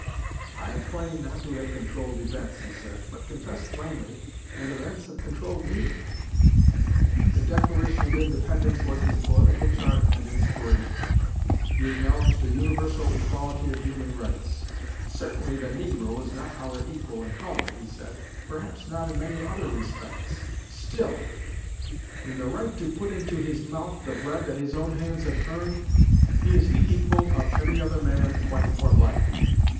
'I claim not to have controlled events,' he said, 'but confess plainly that events have controlled me.' The Declaration of Independence was his political chart and inspiration. He acknowledged a universal equality of human rights. 'Certainly the negro is not our equal in color,' he said, 'perhaps not in many other respects; still, in the right to put into his mouth the bread that his own hands have earned, he is the equal of every other man, white or black.'